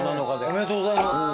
おめでとうございます。